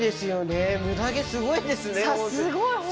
すごい。